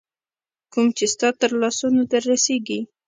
کوم چي ستا تر لاسونو در رسیږي